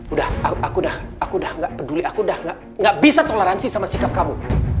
udah aku udah gak peduli aku udah gak bisa toleransi sama sikap kamu